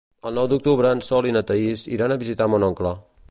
El nou d'octubre en Sol i na Thaís iran a visitar mon oncle.